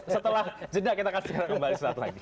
setelah jenak kita akan kembali